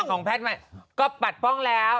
อย่างของแพทย์ก็ปรับป้องแล้ว